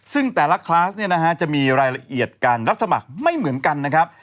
ซึ่งแต่ละคลาสเนี่ยนะฮะจะมีรายละเอียดการรับสมัครไม่เหมือนกันนะครับ